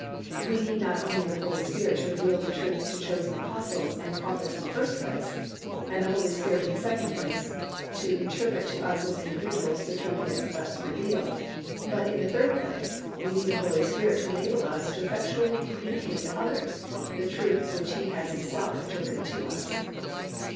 We need not only the Holy Spirit to reveal the truth to chosen apostles and prophets in the first place, and the Holy Spirit in the second place to interpret to us as individuals the truth He has thus revealed, but in the third place, we need the Holy Spirit to enable us to effectually communicate to others the truth which He Himself has interpreted to us.